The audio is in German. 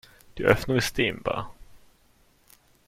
Die Öffnung ist dehnbar.